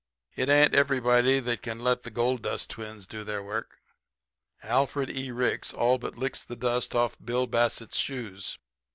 It ain't everybody that can let the gold dust twins do their work.' "Alfred E. Ricks all but licks the dust off of Bill Bassett's shoes.